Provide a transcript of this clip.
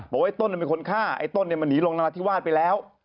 บอกว่าไอ้ต้นมันเป็นคนฆ่าไอ้ต้นมันหนีลงหน้าที่วาดไปแล้ว